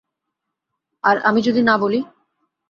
আর আমি যদি না বলি?